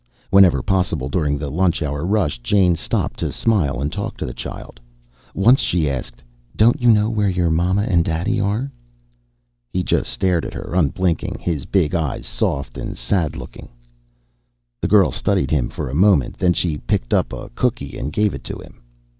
Whenever possible during the lunch hour rush, Jane stopped to smile and talk to the child. Once she asked, "Don't you know where your mama and daddy are?" He just stared at her, unblinking, his big eyes soft and sad looking. The girl studied him for a moment, then she picked up a cookie and gave it to him.